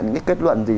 những cái kết luận gì